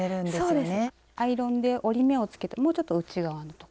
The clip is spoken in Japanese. アイロンで折り目をつけたもうちょっと内側のとこ。